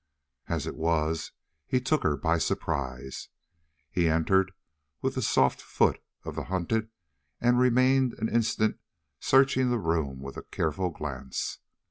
As it was, he took her by surprise, for he entered with the soft foot of the hunted and remained an instant searching the room with a careful glance.